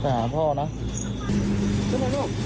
ขึ้นเลยครับ